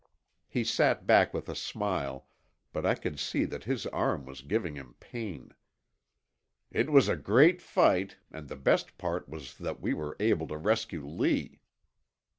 He sat back with a smile, but I could see that his arm was giving him pain. "It was a great fight and the best part was that we were able to rescue Lee."